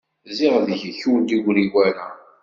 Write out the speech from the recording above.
Ziɣ deg-k ur d-igri wara.